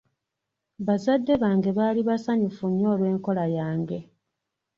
Bazadde bange baali basanyufu nnyo olw'enkola yange.